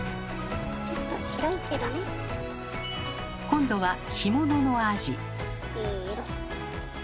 今度は干物のアジ。